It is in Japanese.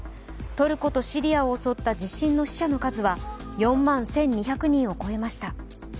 トルコとシリアを襲った地震の死者の数は４万１２００人を超えました。